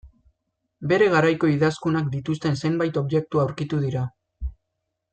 Bere garaiko idazkunak dituzten zenbait objektu aurkitu dira.